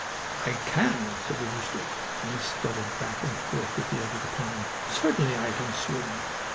"I can," said the rooster, and he strutted back and forth at the edge of the pond. "Certainly I can swim.